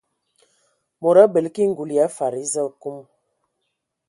Mod abələ ki ngul ya fadi eza akum.